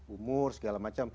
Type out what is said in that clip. umur segala macam